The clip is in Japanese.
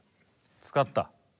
使った？